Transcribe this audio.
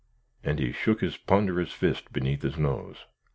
and he shook his ponderous fist beneath his nose.